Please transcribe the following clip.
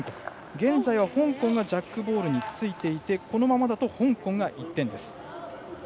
現在は香港がジャックボールについていてこのままだと香港が１点。